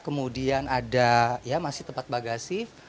kemudian ada ya masih tempat bagasif